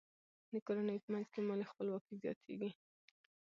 د کورنیو په منځ کې مالي خپلواکي زیاتیږي.